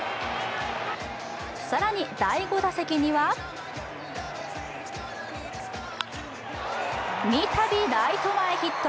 更に第５打席には三度、ライト前ヒット。